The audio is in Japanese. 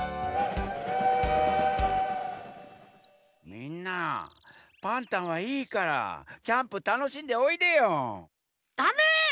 みんなパンタンはいいからキャンプたのしんでおいでよ！だめ！